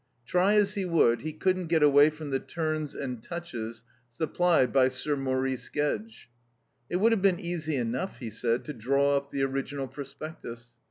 Try as he would, he couldn't get away from the turns and touches supplied by Sir Maurice Gedge. "It would have been easy enough," he said, "to draw up the original prospectus.